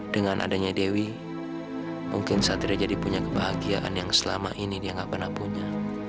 dengan adanya dewi mungkin satria jadi punya kebahagiaan yang selama ini dia nggak pernah punya